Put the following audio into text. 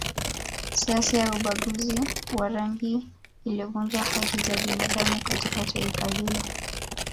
Siasa ya ubaguzi wa rangi ilivunja haki za binadamu katika taifa hilo